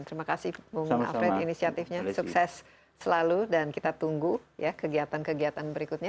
terima kasih bung alfred inisiatifnya sukses selalu dan kita tunggu ya kegiatan kegiatan berikutnya